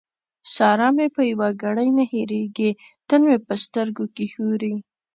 سارا مې په يوه ګړۍ نه هېرېږي؛ تل مې په سترګو کې ښوري.